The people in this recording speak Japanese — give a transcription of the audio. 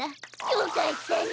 よかったね！